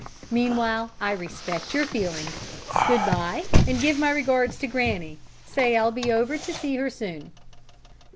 Meanwhile, I respect your feelings. Good bye, and give my regards to granny. Say I'll be over to see her soon."